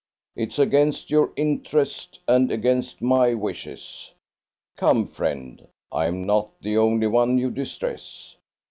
It's against your interests and against my wishes. Come, friend, I am not the only one you distress.